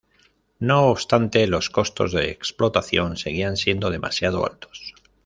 No obstante, los costos de explotación seguían siendo demasiado altos.